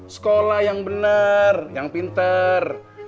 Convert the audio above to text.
sekolah yang benar yang pinter